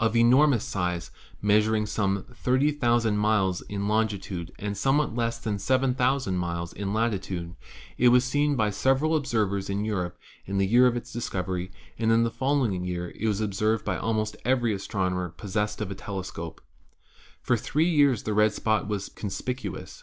Of enormous size, measuring some 30,000 miles in longitude and somewhat less than 7,000 miles in latitude, it was seen by several} observers in Europe in the year of its discovery, and in the following year was observed by almost every astrono mer possessed of a telescope. For three years the red spot was conspicuous.